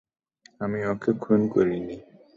আমি ওকে খুন করিনি!